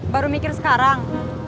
baru mikir sekarang